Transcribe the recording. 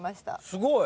すごい！